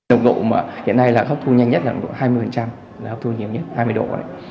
nồng độ mà hiện nay là hấp thu nhanh nhất là hai mươi là hấp thu nhiều nhất hai mươi độ